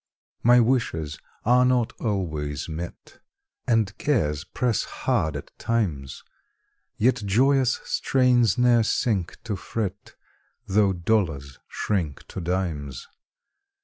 My wishes are not always met, And cares press hard at times; Yet joyous strains ne'er sink to fret, Tho' dollars shrink to dimes.